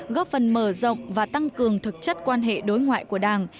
góp phần mở rộng và tăng cường thực chất quan hệ đối ngoại của đảng